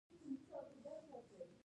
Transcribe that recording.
ایا دلته اوبه شته؟